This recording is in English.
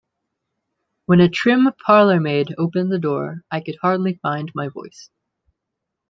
When a trim parlour-maid opened the door, I could hardly find my voice.